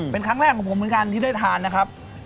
เป็นครั้งแรกของผมเหมือนกันที่ได้ทานนะครับ